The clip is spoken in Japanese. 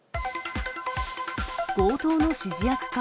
強盗の指示役か？